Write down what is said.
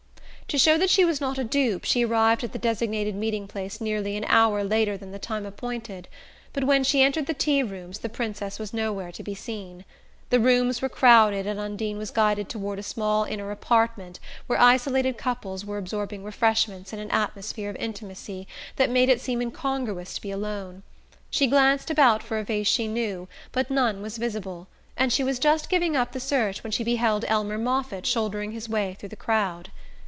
To show that she was not a dupe, she arrived at the designated meeting place nearly an hour later than the time appointed; but when she entered the Tea Rooms the Princess was nowhere to be seen. The rooms were crowded, and Undine was guided toward a small inner apartment where isolated couples were absorbing refreshments in an atmosphere of intimacy that made it seem incongruous to be alone. She glanced about for a face she knew, but none was visible, and she was just giving up the search when she beheld Elmer Moffatt shouldering his way through the crowd.